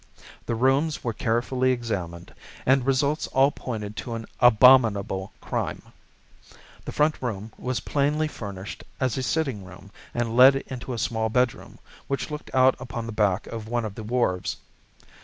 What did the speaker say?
The rooms were carefully examined, and results all pointed to an abominable crime. The front room was plainly furnished as a sitting room and led into a small bedroom, which looked out upon the back of one of the wharves.